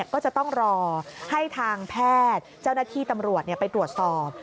ก็จะต้องรอให้ทางแพทย์เจ้าหน้าที่ตำรวจไปตรวจสอบ